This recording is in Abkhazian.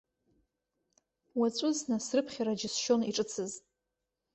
Уаҵәызны срыԥхьара џьысшьон иҿыцыз.